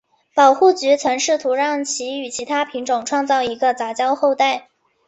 保护局曾试图让其与其它品种创造一个杂交后代。